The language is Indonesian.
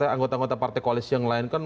anggota anggota partai koalisi yang lain kan